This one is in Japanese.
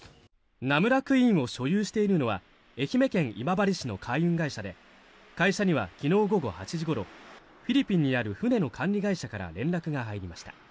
「ナムラ・クイーン」を所有しているのは愛媛県今治市の海運会社で会社には昨日午後８時ごろフィリピンにある船の管理会社から連絡が入りました。